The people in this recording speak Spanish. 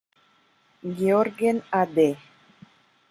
Georgen a.d.